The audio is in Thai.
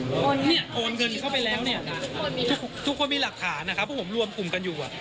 โอนเนี่ยโอนเงินเข้าไปแล้วเนี่ยนะทุกคนมีหลักฐานนะครับพวกผมรวมกลุ่มกันอยู่